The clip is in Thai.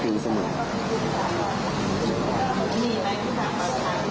พ่ออยากบอกอะไรครับ